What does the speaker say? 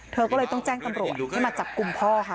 เธอก็เลยต้องแจ้งตำรวจให้มาจับกลุ่มพ่อค่ะ